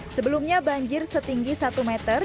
sebelumnya banjir setinggi satu meter